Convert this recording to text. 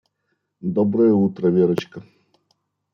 Доброе утро, Верочка.